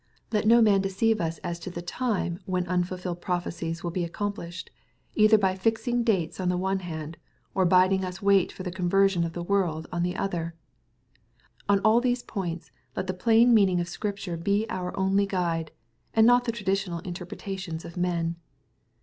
Let no man deceive us as to the time when 14 314 EXPOSITOBT THOnaHTfl. anfhUilled prophecies will be accomplished^ either hj fixing dates on the one hand^ or bidding us wait for the conversion of the world on the other. — ^On all these points let the plain meaning of Scripture be our only guide, and not the traditional interpretations of men.